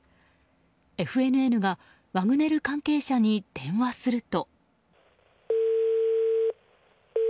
ＦＮＮがワグネル関係者に電話すると。